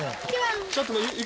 ちょっと。